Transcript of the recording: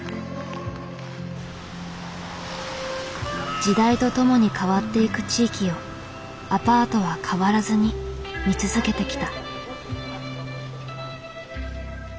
時代とともに変わっていく地域をアパートは変わらずに見続けてきた。